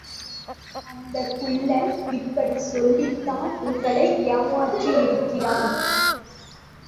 அந்தக் குள்ளன் இப்படிச் சொல்லித்தான் உங்களை ஏமாற்றியிருக்கிறான்.